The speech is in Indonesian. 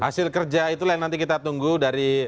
hasil kerja itulah yang nanti kita tunggu dari